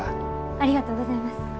ありがとうございます。